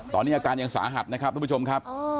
ตอนนี้อาการยังสาหัสนะครับทุกผู้ชมครับ